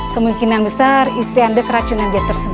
kemungkinan besar istri anda keracunan dia tersebut